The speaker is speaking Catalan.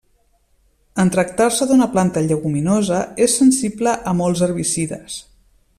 En tractar-se d'una planta lleguminosa és sensible a molts herbicides.